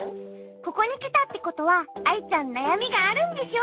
ここにきたってことはアイちゃんなやみがあるんでしょ？